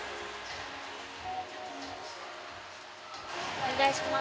お願いします。